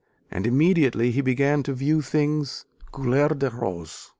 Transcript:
And immediately he began to view things couleur de rose.